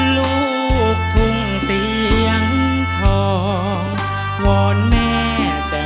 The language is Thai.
ลูกทุ่งเสียงทองว่อนแม่แจ่มจัน